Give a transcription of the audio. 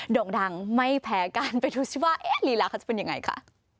่งดังไม่แพ้กันไปดูสิว่าลีลาเขาจะเป็นยังไงค่ะ